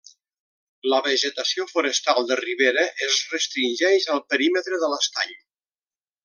La vegetació forestal de ribera es restringeix al perímetre de l'estany.